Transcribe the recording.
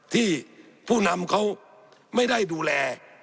ที่ผู้นำเขาไม่ได้ดูแล